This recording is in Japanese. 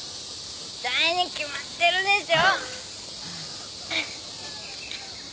痛いに決まってるでしょ。